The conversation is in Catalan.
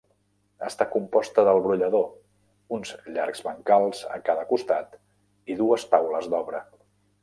Està composta del brollador, uns llargs bancals a cada costat i dues taules d'obra.